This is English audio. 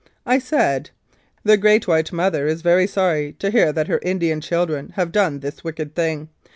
I said, "The Great White Mother is very sorry to hear that her Indian children have done this wicked thing.